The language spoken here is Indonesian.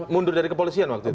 mundur dari kepolisian waktu itu